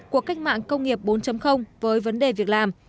của cách mạng công nghiệp bốn với vấn đề việc làm